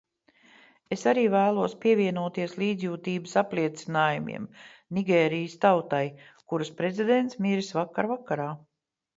Es arī vēlos pievienoties līdzjūtības apliecinājumiem Nigērijas tautai, kuras prezidents miris vakar vakarā.